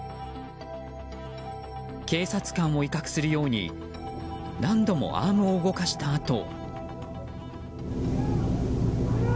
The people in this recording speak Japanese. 警察官を威嚇するように何度もアームを動かしたあと。